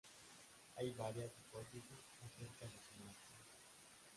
Hay varias hipótesis acerca de su muerte.